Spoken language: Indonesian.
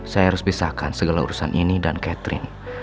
saya harus pisahkan segala urusan ini dan catherine